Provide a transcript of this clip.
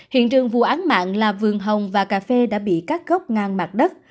hiện trường vụ án mạng là vườn hồng và cà phê đã bị các gốc ngang mặt đất